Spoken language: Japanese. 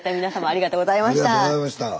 ありがとうございます。